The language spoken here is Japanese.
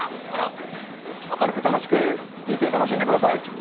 あらっ、明るく、楽しく、人生楽しんでください。